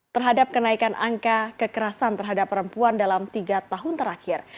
terhadap kenaikan angka kekerasan terhadap perempuan dalam tiga tahun terakhir